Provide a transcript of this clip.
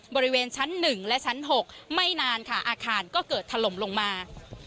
บริเวณชั้น๑และชั้น๖ไม่นานค่ะอาคารก็เกิดถล่มลงมา